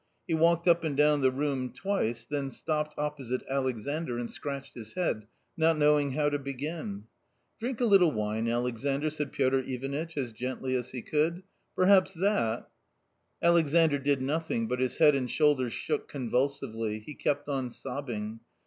He walked up and down the room twice, then stopped opposite Alexandr and scratched his head, not knowing how to begin. " Drink a little wine, Alexandr," said Piotr Ivanitch, as gently as he could ;" perhaps that " Alexandr did nothing, but his head and shoulders shook convulsively ; he kept on sobbing.